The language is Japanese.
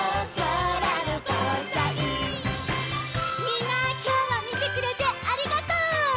みんなきょうはみてくれてありがとう！